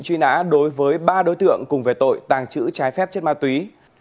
truy nã đối với ba đối tượng cùng về tội tàng trữ trái phép chất ma túy